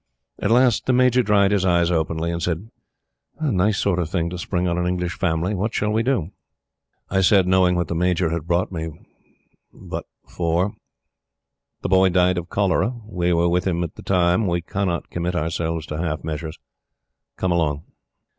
At last the Major dried his eyes openly, and said: "Nice sort of thing to spring on an English family! What shall we do?" I said, knowing what the Major had brought me but for: "The Boy died of cholera. We were with him at the time. We can't commit ourselves to half measures. Come along."